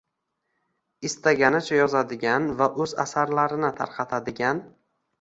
istaganicha yozadigan va o‘z asarlarini tarqatadigan